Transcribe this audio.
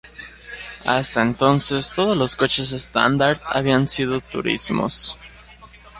Hasta entonces, todos los coches Standard habían sido turismos.